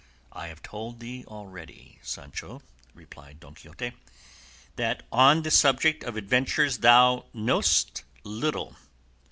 "I have told thee already, Sancho," replied Don Quixote, "that on the subject of adventures thou knowest little.